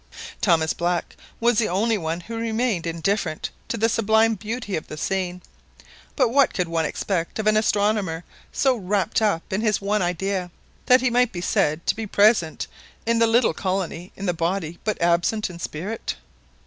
Thomas Black was the only one who remained indifferent to the sublime beauty of the scene. But what could one expect of an astronomer so wrapped up in his one idea, that he might be said to be present in the little colony in the body, but absent in spirit?